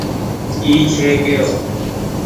اي ڇي ڪيرو ۔